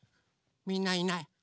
みんないない。